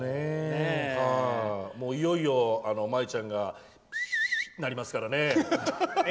いよいよ舞ちゃんがってなりましたからね。